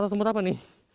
semut apa nih